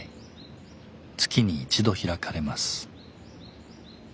月に１度開かれます。